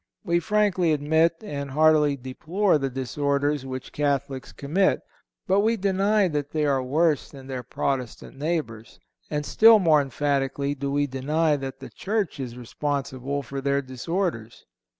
We frankly admit and heartily deplore the disorders which Catholics commit, but we deny that they are worse than their Protestant neighbors; and still more emphatically do we deny that the Church is responsible for their disorders.